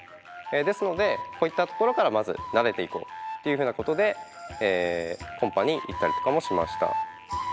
ですのでこういったところからまず慣れていこうっていうふうなことでコンパに行ったりとかもしました。